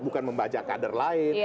bukan membaca kader lain